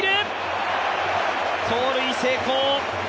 盗塁成功。